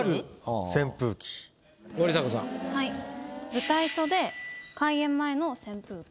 「舞台袖開演前の扇風機」。